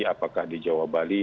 apakah di jawa bali